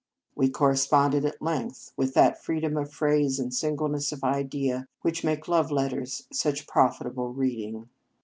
We corre sponded at length, with that freedom of phrase and singleness of idea which make love letters such profit able reading.